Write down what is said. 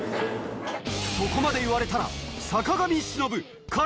そこまで言われたらえ？